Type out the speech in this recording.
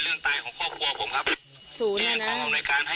และเขาระมัดระวังคำพูดไว้ด้วยนะครับ